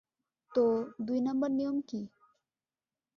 তো, দুই নাম্বার নিয়ম কী?